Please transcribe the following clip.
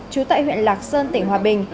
chú tại huyện lạc sơn tỉnh hòa bình